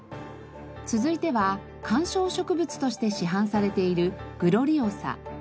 続いては観賞植物として市販されているグロリオサ。